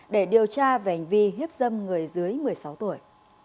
để điều tra về hành vi hiếp dâm người dưới một mươi sáu tuổi